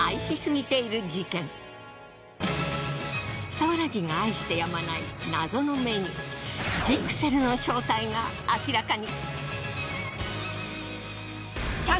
佐原人が愛してやまない謎のメニュージクセルの正体が明らかに。